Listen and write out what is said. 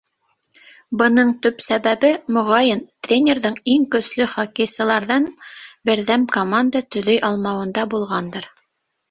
Бының төп сәбәбе, моғайын, тренерҙың иң көслө хоккейсыларҙан берҙәм команда төҙөй алмауында булғандыр.